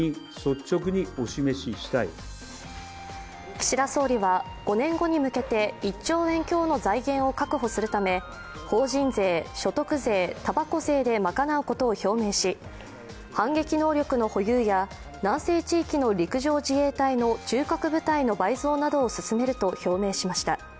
岸田総理は、５年後に向けて１兆円強の財源を確保するため法人税・所得税・たばこ税で賄うことを表明し、反撃能力の保有や南西地域の陸上自衛隊の中核部隊の倍増などを進めると表明しました。